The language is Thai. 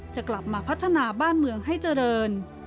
จะกลับมาพัฒนาบ้านเมืองให้เจริญ